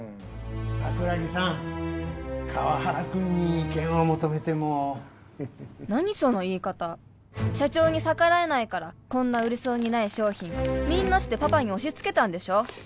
桜木さん川原君に意見を求めても何その言い方社長に逆らえないからこんな売れそうにない商品みんなしてパパに押しつけたんでしょ